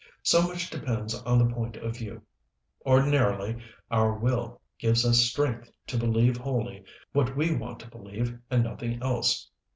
So much depends on the point of view. Ordinarily, our will gives us strength to believe wholly what we want to believe and nothing else.